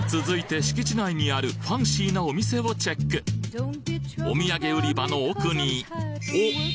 続いて敷地内にあるファンシーなお店をチェックお土産売り場の奥におっ！